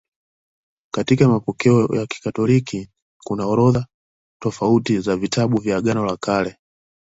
Katika mapokeo ya Kikristo kuna orodha tofauti za vitabu vya Agano la Kale.